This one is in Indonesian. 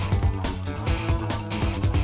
gak ada apa apa